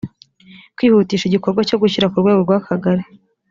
kwihutisha igikorwa cyo gushyira ku rwego rw akagali